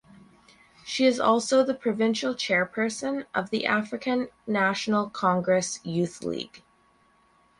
She is also the provincial chairperson of the African National Congress Youth League.